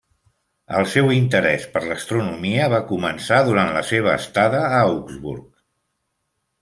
El seu interès per l'astronomia va començar durant la seva estada a Augsburg.